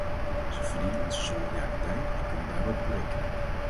Ze verdienen onze solidariteit en kunnen daar ook op rekenen.